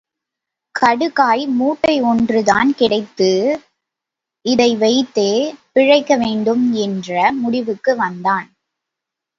கடுக்காய் மூட்டை ஒன்றுதான் கிடைத்து, இதை வைத்தே பிழைக்கவேண்டும் என்ற முடிவுக்கு வந்தான்.